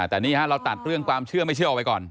แต่นี่ฮะเราตัดเรื่องความเชื่อไม่เชื่อออกไปก่อน